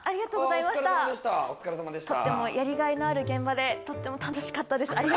とってもやりがいのある現場でとっても楽しかったです。